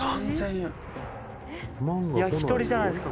右近：「焼き鳥じゃないですか？